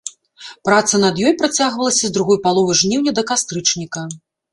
Праца над ёй працягвалася з другой паловы жніўня да кастрычніка.